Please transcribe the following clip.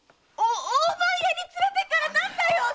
大番屋に連れていかれたんだよ！